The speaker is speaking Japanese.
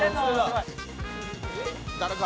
誰か！